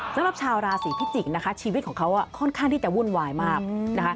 สำหรับชาวราศีพิจิกษ์นะคะชีวิตของเขาค่อนข้างที่จะวุ่นวายมากนะคะ